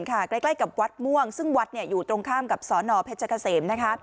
ใกล้กับวัดม่วงซึ่งวัดอยู่ตรงข้ามกับสนเพชรเกษมนะคะ